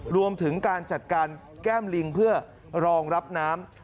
รวมถึงการจัดการแก้มลิงเพื่อรองรับน้ำ